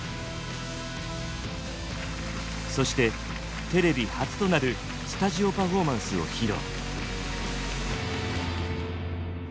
そしてテレビ初となるスタジオパフォーマンスを披露。